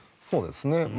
そうですね。